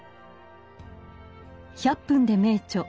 「１００分ｄｅ名著」